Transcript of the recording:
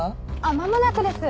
間もなくです。